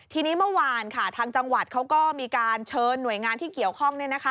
ทีนี้เมื่อวานค่ะทางจังหวัดเขาก็มีการเชิญหน่วยงานที่เกี่ยวข้อง